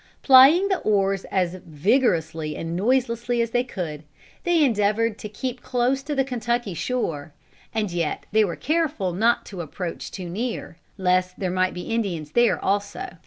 Plying the oars as vigorously and noiselessly as they could, they endeavored to keep close to the Kentucky shore. And yet they were careful not to approach too near, lest there might be Indians there also.